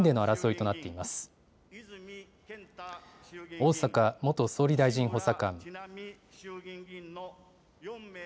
逢坂元総理大臣補佐官。